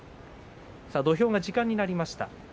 土俵が時間になりました。